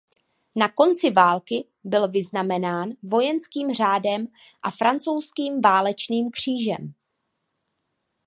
Na konci války byl vyznamenán Vojenským řádem a francouzským Válečným křížem.